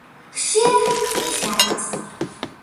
ხშირად ჰქმნის რაყას.